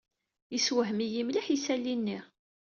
Yessewhem-iyi mliḥ yisali-nni.